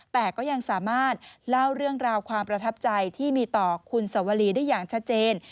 แต่ก็ยังสามารถเล่าเรื่องราวความประทับใจที่มีต่อคุณสวรีได้อย่างชัดเจน